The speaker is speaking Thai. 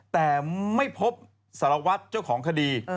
แต่ไม่พบสารวัตรเจ้าของคดี